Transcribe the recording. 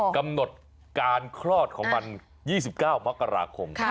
กำหนดการคลอดของมัน๒๙มกราคม